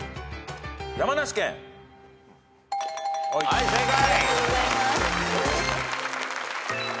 はい正解。